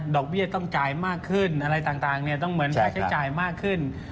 เบี้ยต้องจ่ายมากขึ้นอะไรต่างต้องเหมือนค่าใช้จ่ายมากขึ้น